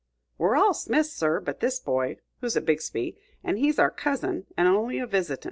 "We're all Smiths, sir, but this boy, who's a Bixby; an' he's our cousin and only a visitin'."